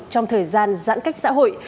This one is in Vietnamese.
trong thời gian giãn cách xã hội